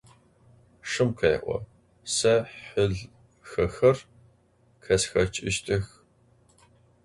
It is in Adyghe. Şşım khê'o: Se hılhexer khêsşeç'ıştıx.